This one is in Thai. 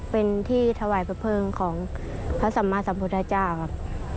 เป็นที่ถวายพระเพิงของพระสัมมาสัมพุทธเจ้าครับ